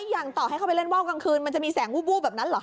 อย่างต่อให้เข้าไปเล่นว่าวกลางคืนมันจะมีแสงวูบแบบนั้นเหรอ